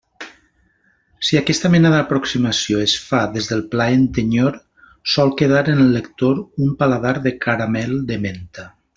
Si aquesta mena d'aproximació es fa des del plaent enyor, sol quedar en el lector un paladar de caramel de menta.